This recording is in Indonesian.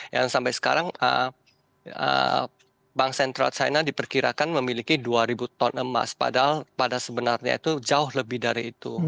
yang sampai sekarang bank sentral china diperkirakan memiliki dua ribu ton emas padahal pada sebenarnya itu jauh lebih dari itu